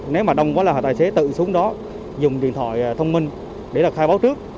nếu mà đông có là tài xế tự xuống đó dùng điện thoại thông minh để khai báo trước